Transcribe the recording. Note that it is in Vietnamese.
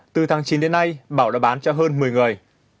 từ tháng chín đến nay bảo đã bán cho hơn một mươi người